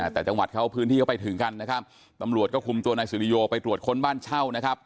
แต่จังหวัดเขาพื้นที่เขาไปถึงกันนะครับตำรวจก็คุมตัวนายสุริโยไปตรวจค้นบ้านเช่านะครับ